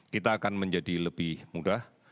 kita akan menjadi lebih mudah